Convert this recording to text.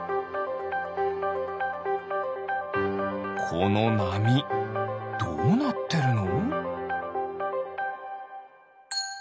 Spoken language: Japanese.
このなみどうなってるの？